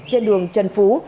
trên đường trần phú